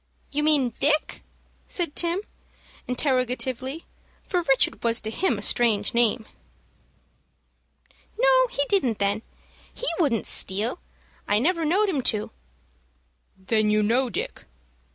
"You mean Dick?" said Tim, interrogatively, for Richard was to him a strange name. "No, he didn't, then. He wouldn't steal. I never know'd him to." "Then you know Dick?"